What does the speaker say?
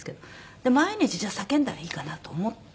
毎日じゃあ叫んだらいいかなと思って。